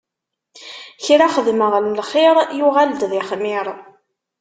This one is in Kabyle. Kra xedmeɣ n lxiṛ, yuɣal-d d ixmiṛ.